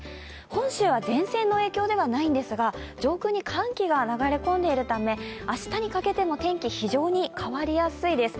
本州は前線の影響ではないんですが、上空に寒気が流れ込んでいるため明日にかけても天気、非常に変わりやすいです。